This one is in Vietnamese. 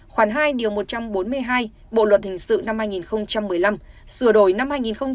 khoảng hai một trăm bốn mươi hai bộ luật hình sự năm hai nghìn một mươi năm sửa đổi năm hai nghìn một mươi bảy